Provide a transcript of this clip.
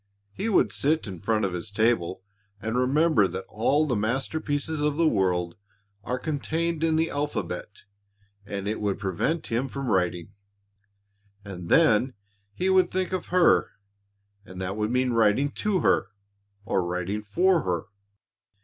He would sit in front of his table and remember that all the masterpieces of the world are contained in the alphabet and it would prevent him from writing. And then he would think of her and that would mean writing to her or writing for her.